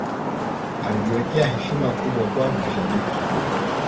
alijiwekea heshima kubwa kwa mashabiki